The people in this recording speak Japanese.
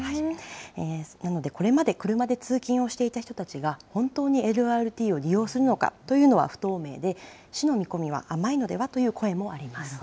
なので、これまで車で通勤をしていた人たちが、本当にＬＲＴを利用するのかというのは不透明で、市の見込みは甘いのではという声もあります。